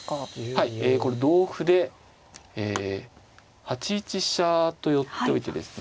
はいこれ同歩でえ８一飛車と寄っておいてですね。